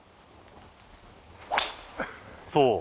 そう。